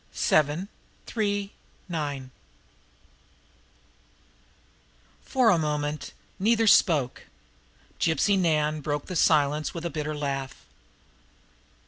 SEVEN THREE NINE For a moment neither spoke, then Gypsy Nan broke the silence with a bitter laugh.